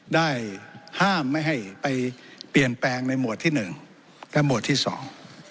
ได้ห้ามไม่ให้ไปเปลี่ยนแปลงในหมวดที่หนึ่งและหมวดที่สอง